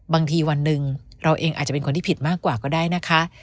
วันหนึ่งเราเองอาจจะเป็นคนที่ผิดมากกว่าก็ได้นะคะ